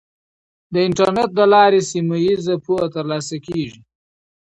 د انټرنیټ له لارې سیمه ییزه پوهه ترلاسه کیږي.